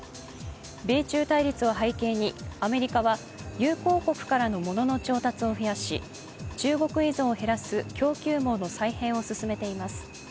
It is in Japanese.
米中対立を背景にアメリカは友好国からのものの調達を増やし、中国依存を減らす供給網の再編を進めています。